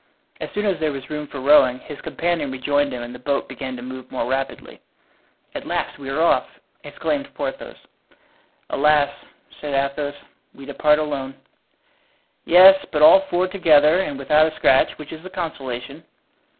As soon as there was room for rowing, his companion rejoined him and the boat began to move more rapidly. "At last we are off!" exclaimed Porthos. "Alas," said Athos, "we depart alone." "Yes; but all four together and without a scratch; which is a consolation."